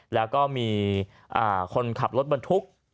แล้วก็มีคนขับรถบรรทุก